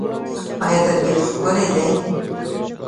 آیا طبیعت ښکلی دی؟